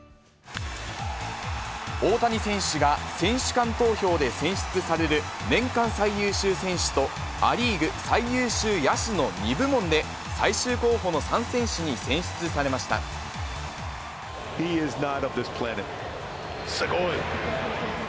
大谷選手が選手間投票で選出される年間最優秀選手と、ア・リーグ最優秀野手の２部門で、最終候補の３選手に選出されましすごい！